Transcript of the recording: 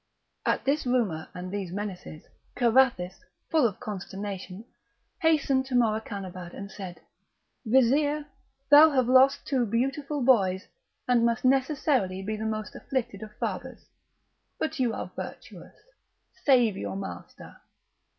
At this rumour and these menaces, Carathis, full of consternation, hastened to Morakanabad, and said: "Vizir, you have lost two beautiful boys, and must necessarily be the most afflicted of fathers, but you are virtuous; save your master."